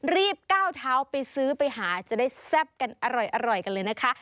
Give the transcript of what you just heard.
รีบก้าวเท้าไปซื้อไปหาจะได้แซ่บกันอร่อยกันเลยนะคะ